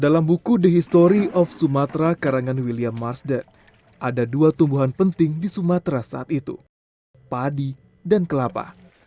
dalam buku the history of sumatra karangan william marsded ada dua tumbuhan penting di sumatera saat itu padi dan kelapa